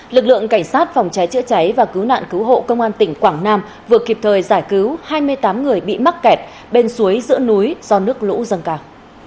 lực lượng cảnh sát phòng cháy chữa cháy và cứu nạn cứu hộ công an tỉnh quảng nam vừa kịp thời giải cứu hai mươi tám người bị mắc kẹt bên suối giữa núi do nước lũ dâng cao